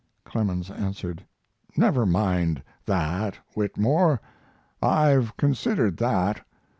Clemens answered: "Never mind that, Whitmore; I've considered that.